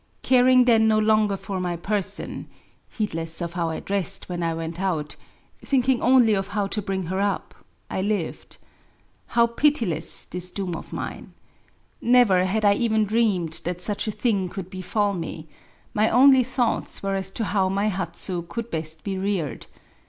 Caring then no longer for my person [,— heedless of how I dressed when I went out'\ ,— thinking only of how to bring her up^ —/ Uved. How pitiless [this doom of mine"] ! Never had I even dreamed that Digitized by Google \ A WOMAN'S DIARY 117 such a thing could befall me : my only thoughts were as to how my Hatsu could best be reared.